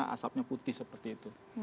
asapnya putih seperti itu